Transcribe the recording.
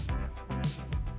dan tempat dunia